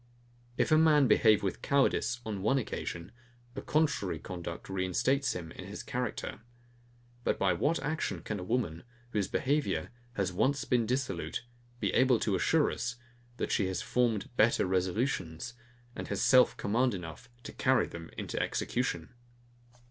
If a man behave with cowardice on one occasion, a contrary conduct reinstates him in his character. But by what action can a woman, whose behaviour has once been dissolute, be able to assure us, that she has formed better resolutions, and has self command enough to carry them into execution?